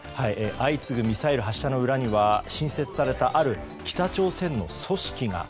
相次ぐミサイル発射の裏には新設されたある北朝鮮の組織が。